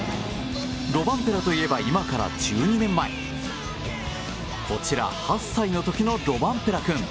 ロバンペラといえば今から１２年前こちら８歳の時のロバンペラ君。